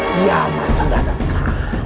kiamat sudah dekat